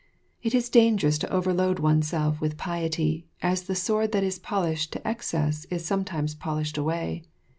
It is dangerous to over load oneself with piety, as the sword that is polished to excess is sometimes polished away.